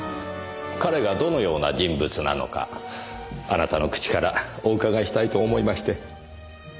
彼がどのような人物なのかあなたの口からお伺いしたいと思いまして。